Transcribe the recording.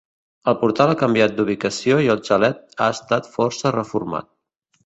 El portal ha canviat d'ubicació i el xalet ha estat força reformat.